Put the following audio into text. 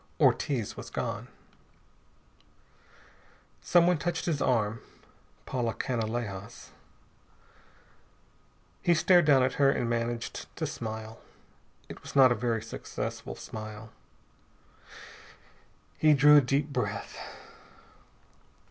Ortiz was gone. Someone touched his arm. Paula Canalejas. He stared down at her and managed to smile. It was not a very successful smile. He drew a deep breath.